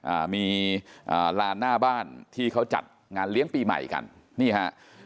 อ่ามีอ่าลานหน้าบ้านที่เขาจัดงานเลี้ยงปีใหม่กันนี่ฮะ